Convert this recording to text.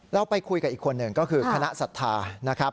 เราไปคุยกับอีกคนหนึ่งก็คือคณะสัทธา